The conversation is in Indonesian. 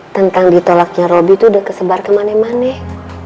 tentang ditolaknya robby tuh udah kesebar ke maneh maneh